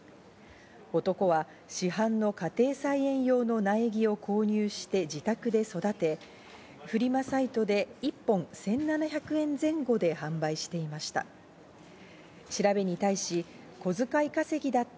男は市販の家庭菜園用の苗木を購入して自宅で育て、フリマサイトで１本１７００円前後で販売していました。